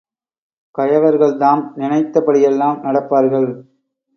கயவர்கள் தாம் நினைத்தபடியெல்லாம் நடப்பார்கள்.